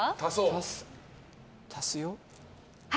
足すよ？